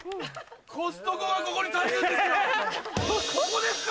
コストコがここに建つんですよ。